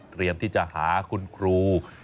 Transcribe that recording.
เตรียมที่จะหาคุณครู